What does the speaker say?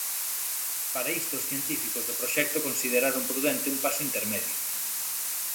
Para isto os científicos do proxecto consideraron prudente un paso intermedio.